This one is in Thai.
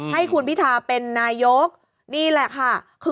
ให้คุณพิทาเป็นนายกนี่แหละค่ะ